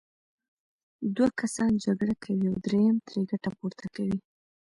دوه کسان جګړه کوي او دریم ترې ګټه پورته کوي.